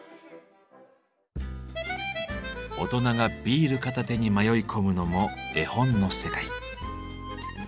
大人がビール片手に迷い込むのも絵本の世界。